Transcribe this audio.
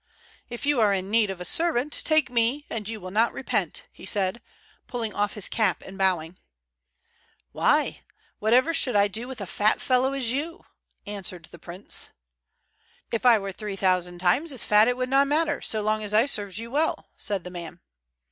"If you are in need of a servant, take me, and you will not repent," he said, pulling off his cap and bowing. "Why, whatever should I do with such a fat fellow as you?" answered the prince. "If I were three thousand times as fat it would not matter, so long as I served you well," said the man.